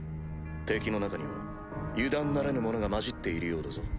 敵の中には油断ならぬ者が交じっているようだぞ。